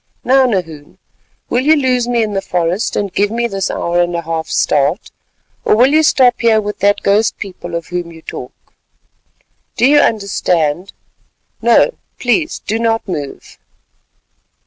Now, Nahoon, will you lose me in the forest and give me this hour and a half's start—or will you stop here with that ghost people of whom you talk? Do you understand? No, please do not move."